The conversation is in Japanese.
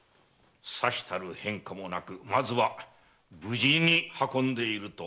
さしたる変化もなくまずは無事に運んでいると。